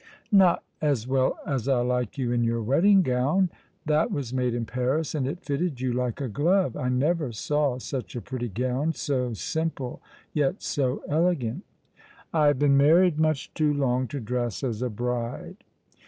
"Not as well as I like you in your wedding gown. That was made in Paris, and it fitted you like a glove. I never saw such a pretty gown — so simple, yet so elegant." *' I have been married much too long to dress as a bride."